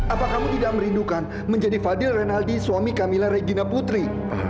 apa kamu tidak merindukan menjadi fadil renaldi suami camilla regina putri